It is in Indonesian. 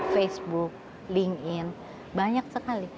facebook linkedin banyak sekali